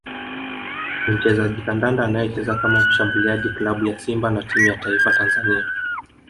ni mchezaji kandanda anayecheza kama mshambuliaji klabu ya Simba na timu ya Taifa Tanzania